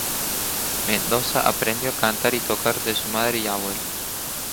Mendoza aprendió a cantar y tocar de su madre y abuela.